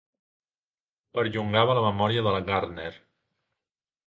Perllongava la memòria de la Gardner.